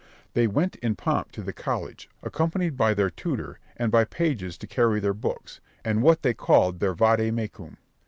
They went in pomp to the college, accompanied by their tutor, and by pages to carry their books, and what they called their Vademecum.